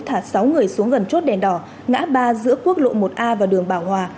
thả sáu người xuống gần chốt đèn đỏ ngã ba giữa quốc lộ một a và đường bảo hòa